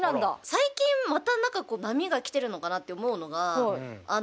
最近また波が来てるのかなって思うのがああ。